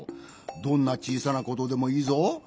どんなちいさなことでもいいぞ。